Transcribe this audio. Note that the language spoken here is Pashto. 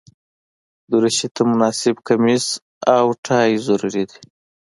دریشي ته مناسب کمیس او ټای ضروري دي.